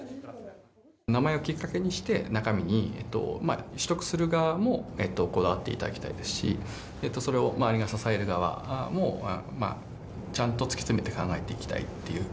名前をきっかけにして取得する側もこだわっていただきたいですしそれを周りが支える側もちゃんと突き詰めて考えていきたいという。